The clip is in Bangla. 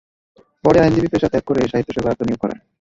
পরে আইনজীবী পেশা ত্যাগ করে সাহিত্যসেবায় আত্মনিয়োগ করেন।